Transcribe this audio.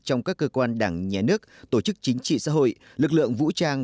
trong các cơ quan đảng nhà nước tổ chức chính trị xã hội lực lượng vũ trang